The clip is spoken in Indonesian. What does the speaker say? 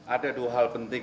ada dua hal penting